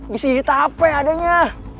bisa jadi tape adanya